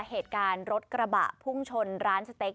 เหตุการณ์รถกระบะพุ่งชนร้านสเต็ก